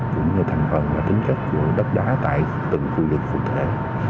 cũng như thành phần và tính chất của đất đá tại từng khu vực cụ thể